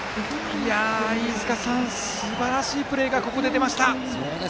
飯塚さん、すばらしいプレーがここで出ました。